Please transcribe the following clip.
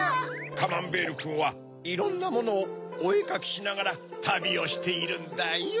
カマンベールくんはいろんなものをおえかきしながらたびをしているんだよ。